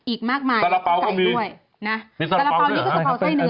อีกมากมายบ่ใส่ด้วย